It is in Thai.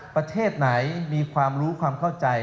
ประเทศไหนมีความรู้ความเข้าใจ